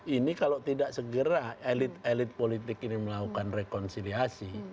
ini kalau tidak segera elit elit politik ini melakukan rekonsiliasi